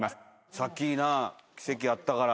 さっきな奇跡あったから。